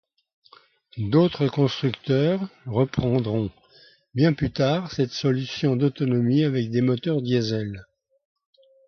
D'autres constructeurs reprendront, bien plus tard, cette solution d'autonomie avec des moteurs diesel.